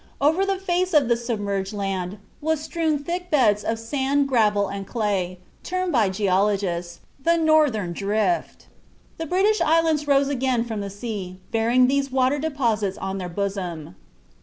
Over the face of the submerged land was strewn thick beds of sand, gravel, and clay, termed by geologists "the Northern Drift." The British Islands rose again from the sea, bearing these water deposits on their bosom.